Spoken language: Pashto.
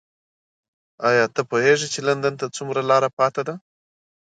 ایا ته پوهېږې چې لندن ته څومره لاره پاتې ده؟